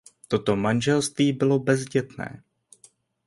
Toto manželství bylo bezdětné.